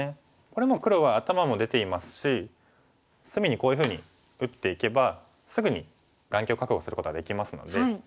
これもう黒は頭も出ていますし隅にこういうふうに打っていけばすぐに眼形を確保することができますので。